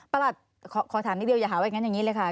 ประหลัดขอถามนิดเดียวอย่าหาไว้อย่างนี้เลยค่ะ